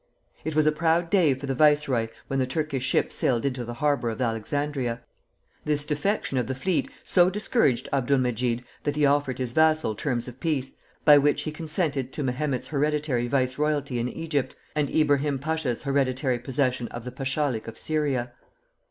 It was a proud day for the viceroy when the Turkish ships sailed into the harbor of Alexandria. This defection of the fleet so discouraged Abdul Medjid that he offered his vassal terms of peace, by which he consented to Mehemet's hereditary viceroyalty in Egypt, and Ibrahim Pasha's hereditary possession of the pashalik of Syria.